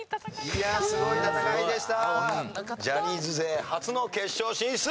ジャニーズ勢初の決勝進出！